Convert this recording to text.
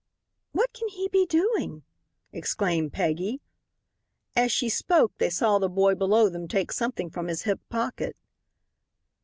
"What can he be doing?" exclaimed Peggy. As she spoke they saw the boy below them take something from his hip pocket.